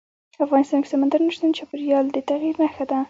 افغانستان کې سمندر نه شتون د چاپېریال د تغیر نښه ده.